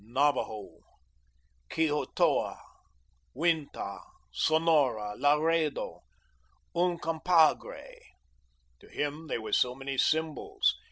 Navajo, Quijotoa, Uintah, Sonora, Laredo, Uncompahgre to him they were so many symbols.